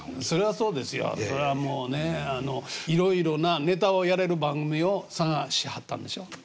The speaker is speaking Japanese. それはもうねいろいろなネタをやれる番組を探しはったんでしょ？